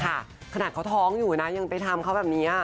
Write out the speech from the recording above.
ขนาดเขาท้องอยู่นะยังไปทำเขาแบบนี้